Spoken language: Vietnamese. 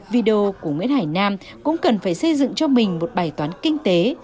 video của nguyễn hải nam cũng cần phải xây dựng cho mình một bài toán kinh tế